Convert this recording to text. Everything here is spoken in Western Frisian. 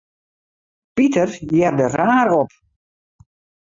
Piter hearde raar op.